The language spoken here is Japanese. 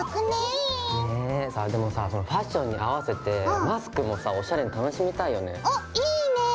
ねでもさファッションに合わせてマスクもさおしゃれに楽しみたいよね。